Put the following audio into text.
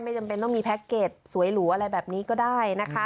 จำเป็นต้องมีแพ็คเกจสวยหรูอะไรแบบนี้ก็ได้นะคะ